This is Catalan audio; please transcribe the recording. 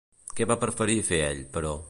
Què va preferir fer ell, però?